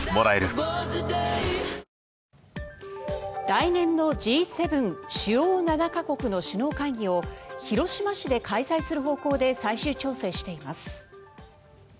来年のＧ７・主要７か国の首脳会議を広島市で開催する方向で最終調整しています。